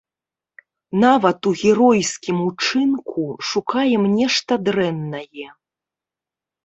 Нават у геройскім учынку шукаем нешта дрэннае.